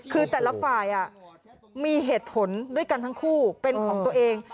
คือแต่ละฝ่ายมีเหตุผลด้วยกันทั้งคู่เป็นของตัวเอง